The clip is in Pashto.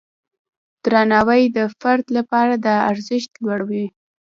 درناوی د فرد لپاره د ارزښت لوړوي.